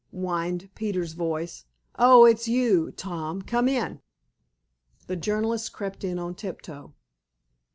whined Peters's voice. "Oh, it's you, Tom. Come in!" The journalist crept in on tiptoe.